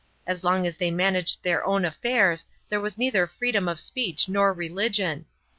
As long as they managed their own affairs there was neither freedom of speech nor religion.